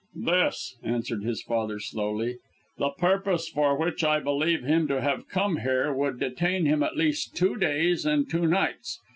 "This," answered his father slowly. "The purpose for which I believe him to have come here would detain him at least two days and two nights.